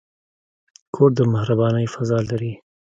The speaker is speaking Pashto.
کور د مهربانۍ فضاء لري.